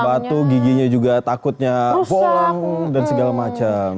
batuk batuk giginya juga takutnya bolong dan segala macam